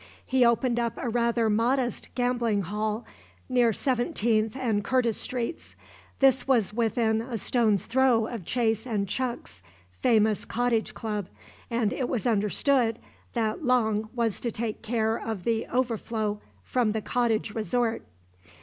He opened up a rather modest gambling hall near Seventeenth and Curtis streets. This was within a stone's throw of Chase and Chuck's famous Cottage Club and it was understood that Long was to take care of the overflow from the Cottage resort.